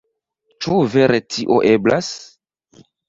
Ĉu vere tio eblas?